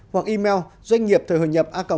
hoặc email doanh nghiệpthờihộinhậpa gmail com